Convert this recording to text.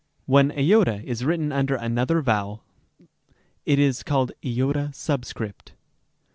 When ¢ is written under another vowel, thus, q, it is called cota subscript.